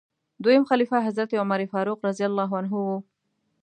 دویم خلیفه حضرت عمر فاروق رض و.